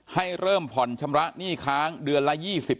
ให้เริ่มผ่อนชำระหนี้ค้างเดือนละ๒๐